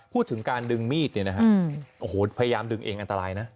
พูดถึงการดึงมีดพยายามดึงเองอันตรายนะ